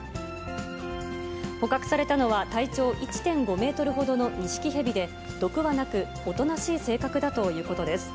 捕獲されたのは、体長１．５メートルほどのニシキヘビで、毒はなく、おとなしい性格だということです。